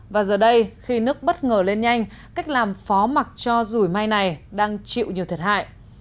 và giờ đây khi nước bất ngờ lên nhanh cách làm phó mặt cho rủi mai này đang chịu nhiều thiệt hại